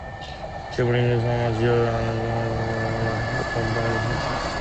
She brings so much joy and happiness with her playful nature and loyal companionship.